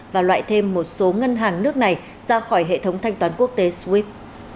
và loại thêm một số ngân hàng nước này ra khỏi hệ thống thanh toán quốc tế swif